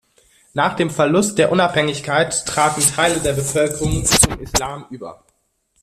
Nach dem Verlust der Unabhängigkeit traten Teile der Bevölkerung zum Islam über.